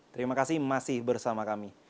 terima kasih masih bersama kami